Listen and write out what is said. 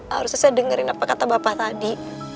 harusnya saya dengerin apa kata bapak tadi